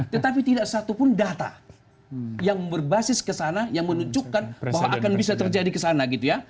tetapi tidak satupun data yang berbasis ke sana yang menunjukkan bahwa akan bisa terjadi ke sana gitu ya